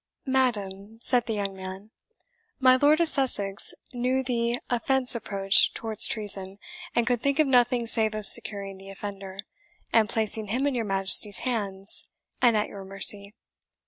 "Madam," said the young man, "my Lord of Sussex knew the offence approached towards treason, and could think of nothing save of securing the offender, and placing him in your Majesty's hands, and at your mercy.